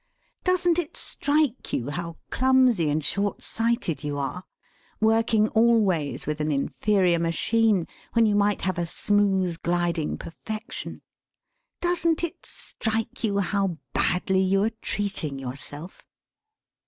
Doesn't it strike you how clumsy and short sighted you are working always with an inferior machine when you might have a smooth gliding perfection? Doesn't it strike you how badly you are treating yourself?'